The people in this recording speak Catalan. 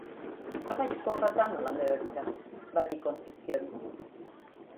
"No vaig córrer tant a la meva vida," va dir Concepcion.